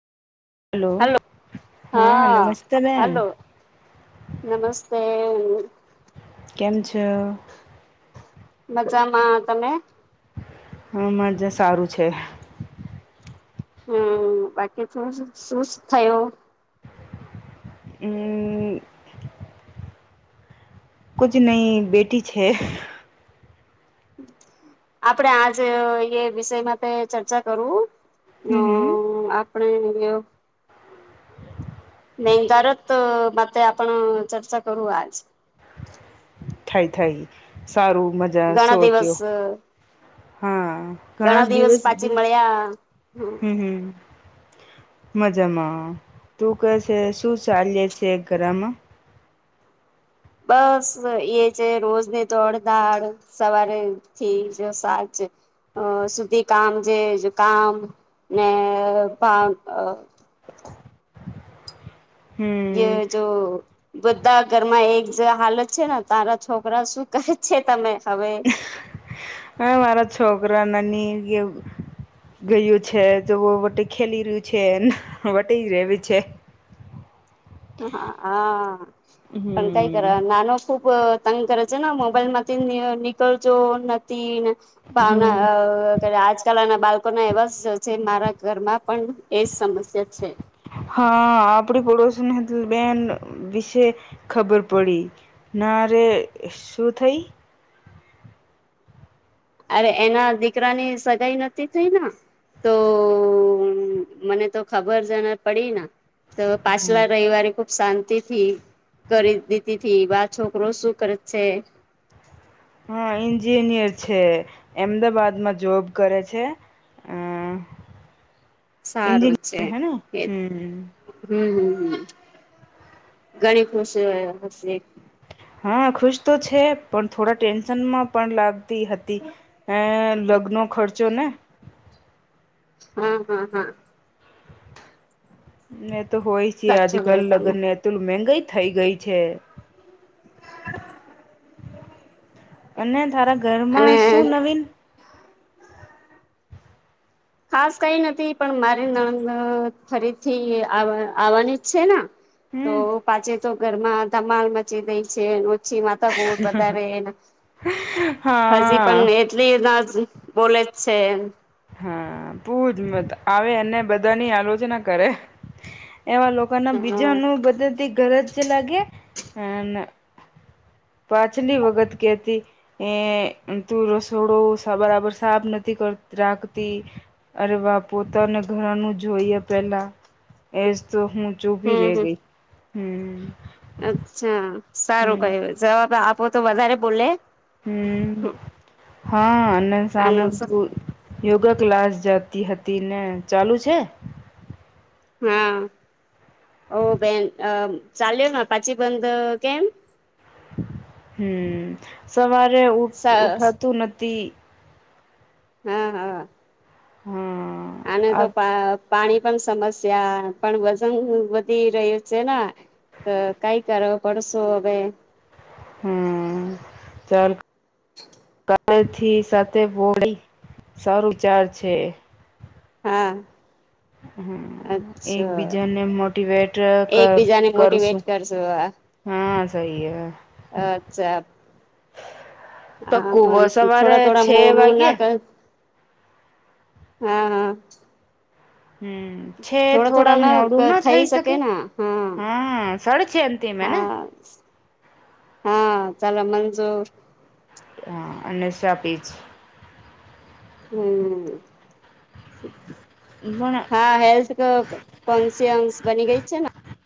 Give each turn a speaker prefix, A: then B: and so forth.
A: Hello.
B: હા
A: હઅ
B: નમસ્તે બેન
A: હલો નમસ તે.
B: કેમ છો?
A: મજામાં. તમે?
B: હન. મજા સારું છે.
A: હમ. બાકી શું શું થયું?
B: [unintelligible] કુછ નઈ બેટી છે.
A: આપડે આજ એ વિષય માટે ચર્ચા કરું.
B: હમ હમ
A: અ [unintelligible] નહી કારત મા તો આપણ ચર્ચા કરું આજ.
B: થાય થાય સારું મજા
A: ઘણા દિવસ
B: સોચ્યો. હન ઘણા દિવસ દ હમ હમ મજામાં તું ક છે શું ચાલી છે ઘરામાં
A: બસ એ છે રોજની તો અડધડ સવારે થી જો સાજ અ સુધી કામ જે કામ ને પાસ
B: હમ
A: જો બધા ઘરમાં એક જ હાલત છે ને તારા છોકરા શું કરે છે તમે હવે
B: હ મારા છોકરા નાની કેવું ગયું છે તોવ વ ખેલી રહ્યું છે વટે રવી છે
A: હા પણ કઈ કર
B: હમ
A: નાનો ખૂબ પતંગ કરે છે ને મોબાઈલ માંથી નીકળજો નથી ભાવના
B: હમ
A: આજકાલ ના બાળકો ના એવા જ છે મારા ઘરમાં પણ એજ સમસ્યા છે
B: હા આપડી પડોશીને બેન વિશે ખબર પડી ના રે શૂ થઈ
A: અરે એના દીકરાની સગાઈ નથીતી થઈ ને તો મને તો ખબર જને પડી ને તો પાછલા રવિવારે કો શાંતિથી કરી દીધી થી આ છોકરો શું કરે છે
B: હા એન્જિનિયર છે અમદાવાાદમાં જોબ કરે છે
A: સારું છે
B: એન્જિનિયર હે ને
A: એજ
B: હમ
A: હમ હમ હ ઘણી ખુશી હશે
B: હા ખુશ તો છે પણ થોડા ટેન્શનમાં પણ લાગતી હતી અ લગ્નો ખર્ચો ને
A: હમ હમ હમ
B: એ તો હોય છે આજ
A: સાચું
B: કલ
A: કહ્યું તમે
B: લગન તોલું મંંગા થઈ ગઈ છે અને તારા
A: અને
B: ઘરમાં શું નવીન
A: ખાસ કઈ નથી પણ મારી નંદ ફરીથી આવવાની જ છે ને તો
B: હમ
A: પાછે તો ઘરમાં ધમાલ મચી ગઈ છે પછી માતા બોટ વધારે એના હજી
B: હા
A: પણ એટલી ના બોલે છે એમ
B: હા બુ જ મત આવે અને બધાની આલોચના કરે એવા લોકોના
A: હમ
B: બીજાનું બધા થી ઘરજ લાગે અને પાછલી વખત કેતી એ તું રસોડો બરાબર સાફ નથી રાખતી અરવા પોતાને ઘરાનું જોઈએ પેલા એજ તો હું ચૂભી ર
A: હમ હમ
B: ગઈ હમ
A: અચ્છા સારું
B: હમ
A: કયુ જવાબ આપો તો વધારે બોલે હમ
B: હા અને સાંભળ તું યોગા ક્લાસ જાતી હતી ને ચાલુ છે
A: હા ઓ બેન ચાલ્યો પાછી બંધ કેમ
B: હમ સવારે ઉઠ
A: સરસ
B: ઉઠાતું નથી
A: હા હા
B: હમ
A: આને
B: આ
A: તો પા પાણી પણ સમસ્યા પણ વજન વધી રહ્યું છે ને તો કઈ કરો પડસો હ ભાઈ
B: હમ ચાલ
A: [unintelligible]
B: અથી સાથે બોળી સારું ચાર છે.
A: હા.
B: હમ્મ,
A: અચ્છા
B: એકબીજાને મોટવેટ કર
A: એકબીજાને મોટીવેટ
B: કરશું.
A: કરશો
B: હા સહી હે.
A: અચ્છા. હા
B: પક્કું બ
A: પણ
B: સવારે
A: થોડા થોડા
B: છે
A: મોડું
B: વાગે
A: ના કય. હા હા.
B: હમ્મ, છે થોડા મોડું ના થઈ શકે હા સર છે એમથી મે ના.
A: હા હા, ચાલો મંજૂર.
B: હા અને શા પીચ.
A: હમ્મ.
B: પણ
A: હા હેલ્થ કો કોન્શયસ બની ગઈ છે ને?